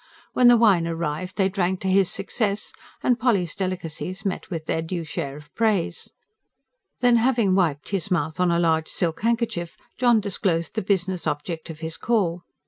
When the wine arrived they drank to his success, and Polly's delicacies met with their due share of praise. Then, having wiped his mouth on a large silk handkerchief, John disclosed the business object of his call.